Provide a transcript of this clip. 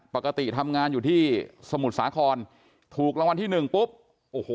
ปกติทำงานอยู่ที่สมุทรสาครถูกรางวัลที่หนึ่งปุ๊บโอ้โห